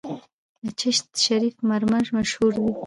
د چشت شریف مرمر مشهور دي